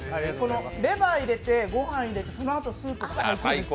レバー入れて、ご飯入れて、そのあとスープいくと。